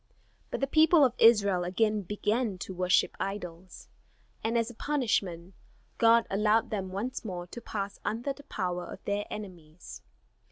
But the people of Israel again began to worship idols; and as a punishment God allowed them once more to pass under the power of their enemies.